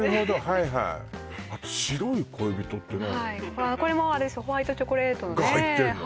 はいはいあと白い恋人ってこれもホワイトチョコレートのねが入ってるの！？